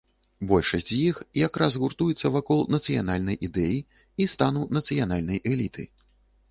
Большасць з іх якраз і гуртуецца вакол нацыянальнай ідэі і стану нацыянальнай эліты.